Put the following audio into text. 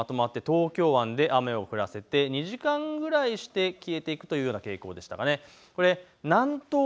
だんだんこの雲がまとまって東京湾で雨を降らせて２時間ぐらいして消えていくというような傾向でした。